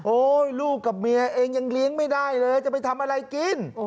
ลูกกับเมียเองยังเลี้ยงไม่ได้เลยจะไปทำอะไรกิน